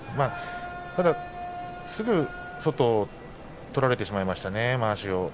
ただ、すぐ外を取られてしまいましたね